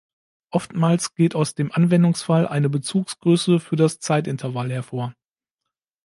Oftmals geht aus dem Anwendungsfall eine Bezugsgröße für das Zeitintervall hervor.